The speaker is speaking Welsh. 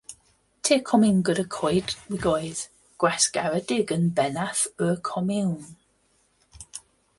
Tir comin gyda choedwigoedd gwasgaredig yn bennaf yw'r comiwn.